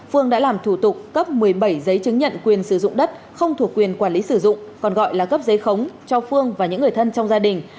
phương đã làm thủ tục cấp một mươi bảy giấy chứng nhận quyền sử dụng đất không thuộc quyền quản lý sử dụng còn gọi là cấp giấy khống cho phương và những người thân trong gia đình